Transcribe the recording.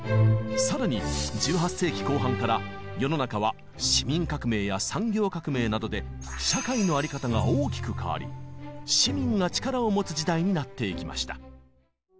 さらに１８世紀後半から世の中は市民革命や産業革命などで社会の在り方が大きく変わり市民が力を持つ時代になっていきました。